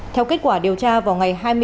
theo kết quả điều tra vào ngày hai mươi